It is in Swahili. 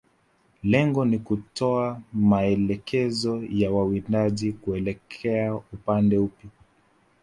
Lengo ni kutoa maelekezo ya wawindaji kuelekea upande upi